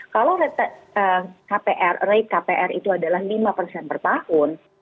kalau rate kpr itu adalah lima berpahun